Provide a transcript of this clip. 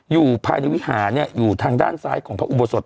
อยู่ภายในวิหารอยู่ทางด้านซ้ายของพระอุโบสถ